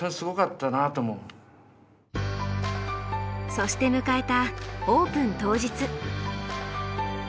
そして迎えたオープン当日。